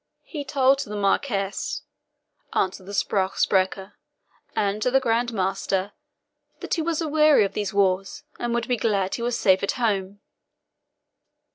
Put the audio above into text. "He told to the Marquis," answered the SPRUCH SPRECHER, "and to the Grand Master, that he was aweary of these wars, and would be glad he was safe at home."